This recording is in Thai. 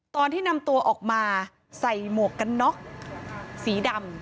ตอนที่นำตัวออกมาใส่หมวกกันน็อกสีดำ